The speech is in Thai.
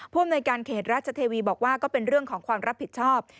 อำนวยการเขตราชเทวีบอกว่าก็เป็นเรื่องของความรับผิดชอบ